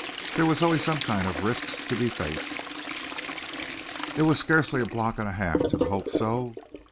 There were always some kind of risks to be faced. It was scarcely a block and a half to the Hope So.